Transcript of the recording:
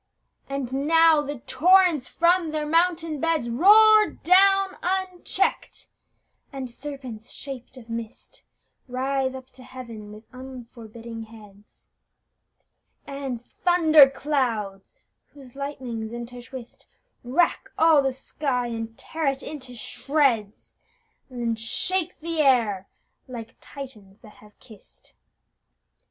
And now the torrents from their mountain beds Roar down uncheck'd; and serpents shaped of mist Writhe up to Heaven with unforbidden heads; And thunder clouds, whose lightnings intertwist, Rack all the sky, and tear it into shreds, And shake the air like Titians that have kiss'd!